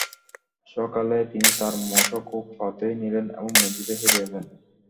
সকালে তিনি তার মশক ও পাথেয় নিলেন এবং মসজিদে ফিরে এলেন।